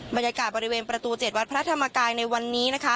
บรรยากาศบริเวณประตู๗วัดพระธรรมกายในวันนี้นะคะ